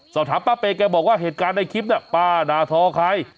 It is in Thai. สอบถามป้าเปย์แกบอกว่าเหตุการณ์ในคลิปน่ะป้าด่าทอใคร